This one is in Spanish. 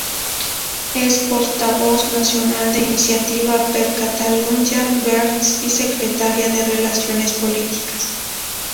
Es portavoz nacional de Iniciativa per Catalunya Verds y Secretaria de Relaciones Políticas.